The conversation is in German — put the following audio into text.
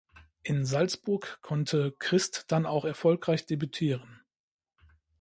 In Salzburg konnte Christ dann auch erfolgreich debütieren.